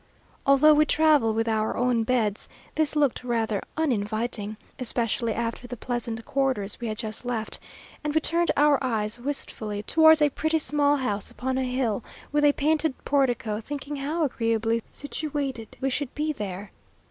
Although we travel with our own beds, this looked rather uninviting, especially after the pleasant quarters we had just left; and we turned our eyes wistfully towards a pretty small house upon a hill, with a painted portico, thinking how agreeably situated we should be there!